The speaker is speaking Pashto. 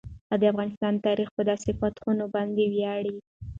د افغانستان تاریخ په داسې فاتحانو باندې ویاړي.